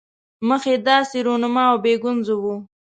مخ یې داسې رونما او بې ګونځو وو.